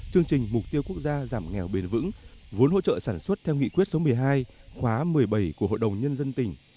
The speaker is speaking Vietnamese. chương trình mục tiêu quốc gia giảm nghèo bền vững vốn hỗ trợ sản xuất theo nghị quyết số một mươi hai khóa một mươi bảy của hội đồng nhân dân tỉnh